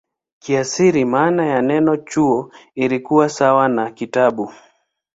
Kiasili maana ya neno "chuo" ilikuwa sawa na "kitabu".